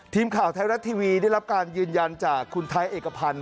ทีมข่าวไทยรัฐทีวีได้รับการยืนยันจากคุณไทยเอกพันธ์